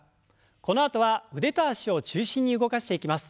このあとは腕と脚を中心に動かしていきます。